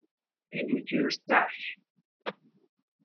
En "New Year’s Dash!!